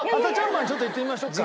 まんちょっといってみましょうか。